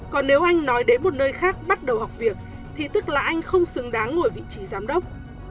còn nếu anh nói đến một nơi khác bắt đầu học việc thì tức là anh không xứng đáng ngồi vị trí giám đốc